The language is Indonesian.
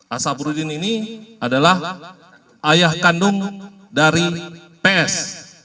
asabrudin ini adalah ayah kandung dari ps